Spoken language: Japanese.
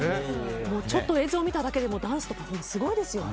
ちょっと映像を見ただけでもダンスとかすごいですよね。